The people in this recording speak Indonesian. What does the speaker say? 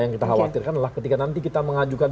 yang kita khawatirkan adalah ketika nanti kita mengajukan